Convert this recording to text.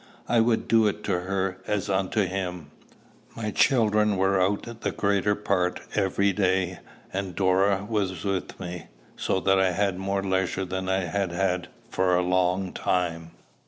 I would do it to her as unto him. My children were out the greater part of every day, and Dora was with me, so that I had more leisure than I had had for a long time.